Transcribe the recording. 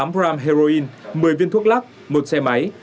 bốn mươi tám gram heroin một mươi viên thuốc lắc một xe máy